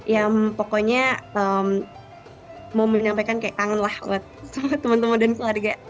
yang pokoknya mau menyampaikan kayak kangen lah buat sama teman teman dan keluarga